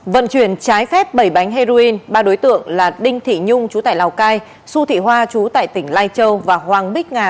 vận chuyển trái phép bảy bánh heroin ba đối tượng là đinh thị nhung chú tải lào cai xu thị hoa chú tại tỉnh lai châu và hoàng bích ngà